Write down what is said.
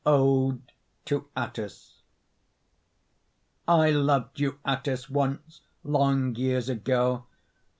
ODE TO ATTHIS I loved you, Atthis, once, long years ago!